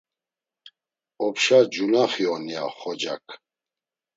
Opşa cunaxi on ya xocak.